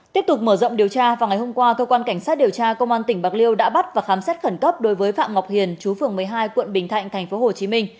tiếp tục mở rộng điều tra vào ngày hôm qua cơ quan cảnh sát điều tra công an tỉnh bạc liêu đã bắt và khám xét khẩn cấp đối với phạm ngọc hiền chú phường một mươi hai quận bình thạnh tp hcm